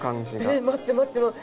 えっ待って待って待って。